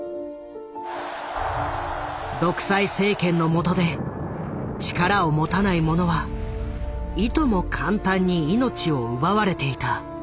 独裁政権の下で力を持たない者はいとも簡単に命を奪われていた。